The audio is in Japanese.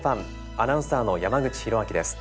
アナウンサーの山口寛明です。